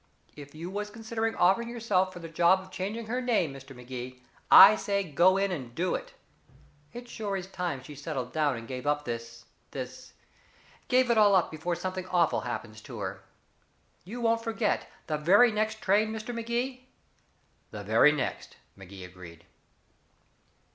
If you was considering offering yourself for the job of changing her name, Mr. Magee, I say go in and do it. It sure is time she settled down and gave up this this gave it all up before something awful happens to her. You won't forget the very next train, Mr. Magee?" "The very next," Magee agreed.